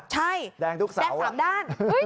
ใช่แดงสามด้าน